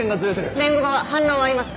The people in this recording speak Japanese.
弁護側反論はありますか？